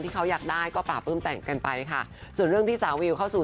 ที่เขาอยากได้ก็ปราบปื้มแต่งกันไปค่ะส่วนเรื่องที่สาววิวเข้าสู่